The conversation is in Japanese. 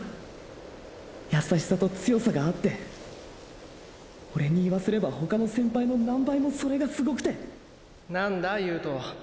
やさしさと強さがあってオレに言わせれば他の先輩の何倍もそれがすごくて何だ悠人。